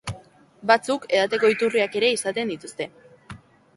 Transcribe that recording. Batzuk, edateko iturriak ere izaten dituzte.